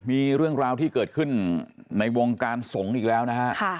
มีเรื่องราวที่เกิดขึ้นในวงการสงฆ์อีกแล้วนะฮะ